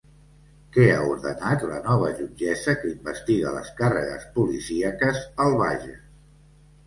Què ha ordenat la nova jutgessa que investiga les càrregues policíaques al Bages?